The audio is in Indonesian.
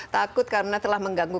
takut karena telah mengganggu